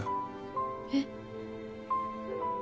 えっ？